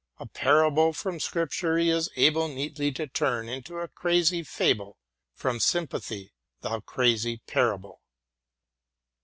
A parable from scripture he is able Neatly to turn into a erazy fable From sympathy: — thou crazy parable!"